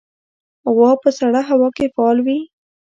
غوا په سړه هوا کې فعال وي.